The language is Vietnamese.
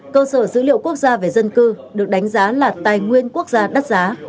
cơ sở dữ liệu quốc gia về dân cư được đánh giá là tài nguyên quốc gia đắt giá